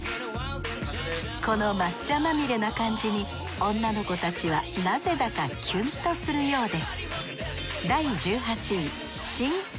この抹茶まみれな感じに女の子たちはなぜだかキュンとするようです